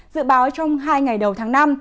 dự báo trong hai ngày đầu tháng năm